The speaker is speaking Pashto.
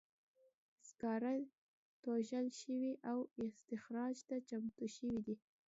سکاره توږل شوي او استخراج ته چمتو شوي دي.